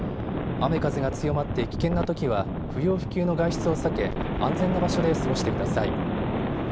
雨風が強まって危険なときは不要不急の外出を避け安全な場所で過ごしてください。